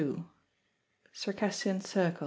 Circassian Circle.